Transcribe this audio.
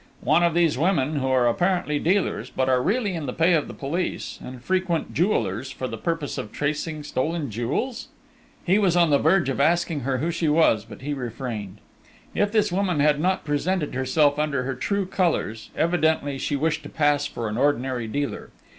"One of these women who apparently are dealers, but are really in the pay of the police, and frequent jewellers for the purpose of tracing stolen jewels?" He was on the verge of asking her who she was, but he refrained. If this woman had not presented herself under her true colours, evidently she wished to pass for an ordinary dealer.